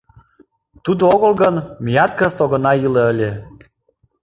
— Тудо огыл гын, меат кызыт огына иле ыле.